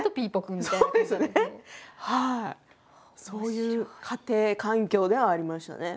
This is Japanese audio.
そういう家庭環境ではありましたね。